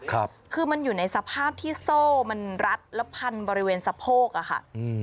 คือมันอยู่ในสภาพที่โซ่มันรัดแล้วพันบริเวณสะโพกอะค่ะอืม